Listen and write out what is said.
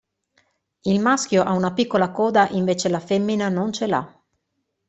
Il maschio ha una piccola coda invece la femmina non ce l'ha.